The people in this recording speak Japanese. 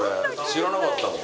知らなかったもん。